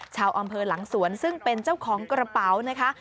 ชาวอำเภอหลังสวนซึ่งเป็นเจ้าของกระเป๋านะคะ